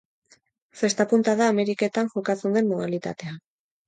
Zesta-punta da Ameriketan jokatzen den modalitatea.